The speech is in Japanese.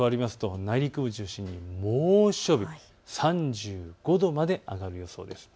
これが加わると内陸部を中心に猛暑日３５度まで上がる予想です。